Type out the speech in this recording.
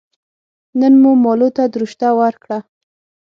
نن مو مالو ته دروشته ور کړه